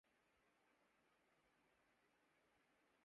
یہ نہیں ہو سکتا کہ ملک کو دستور سےرکھ کر محروم